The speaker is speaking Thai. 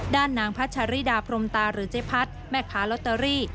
ด้านนางพระชริดาพรมตาหรือเจภัทร์แม่ขาลอตเตอรี่